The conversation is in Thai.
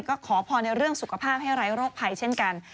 ก็ขอพรในเรื่องสุขภาพให้ไร้โรคภัยเช่นกัน